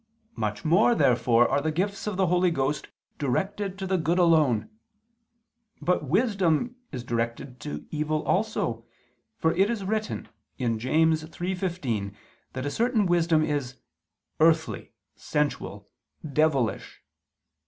Much more therefore are the gifts of the Holy Ghost directed to the good alone. But wisdom is directed to evil also, for it is written (James 3:15) that a certain wisdom is "earthly, sensual, devilish."